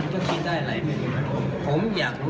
สวัสดีครับ